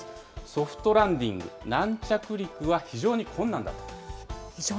ソフトランディング、軟着陸は非常に困難だと。